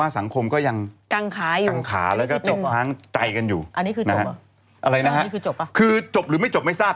อะไรนะครับคือจบหรือไม่จบไม่ทราบ